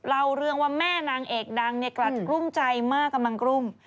เล่าเรื่องว่าแม่นางเอกดังเนี่ยกลัดกลุ้มใจมากกำลังกลุ้ม